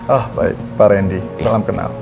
ah baik pak randy salam kenal